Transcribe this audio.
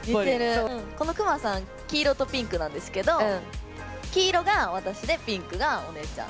このクマさん、黄色とピンクなんですけど、黄色が私でピンクがお姉ちゃん。